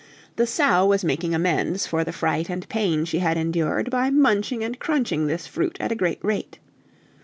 The sow was making amends for the fright and pain she had endured by munching and crunching this fruit at a great rate.